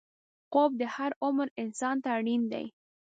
خوب د هر عمر انسان ته اړین دی